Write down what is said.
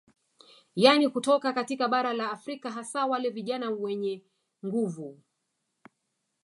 Yani kutoka katika bara la Afrika hasa wale vijana wenye nguvu